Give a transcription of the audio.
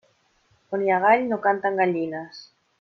On hi ha el gall, no canten gallines.